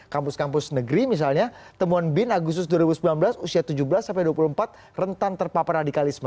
kampus kampus negeri misalnya temuan bin agustus dua ribu sembilan belas usia tujuh belas sampai dua puluh empat rentan terpapar radikalisme